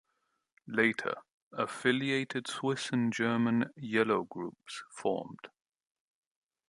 Later, affiliated Swiss and German "Yellow" groups formed.